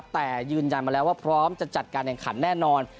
แต่ยืนยันมาแล้วว่าพร้อมจะจัดการแข่งขันแน่นอน